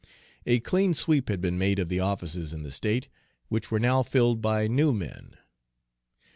A clean sweep had been made of the offices in the state, which were now filled by new men.